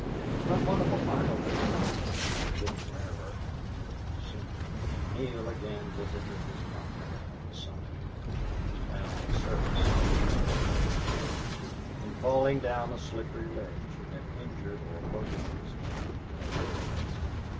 Upon one of the milder days, which were getting rarer in mid December, Neale again visited his comrade on the summit. He found Service in bad shape. In falling down a slippery ledge he had injured or broken his lame leg.